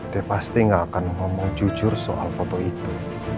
dia pasti gak akan ngomong jujur soal foto itu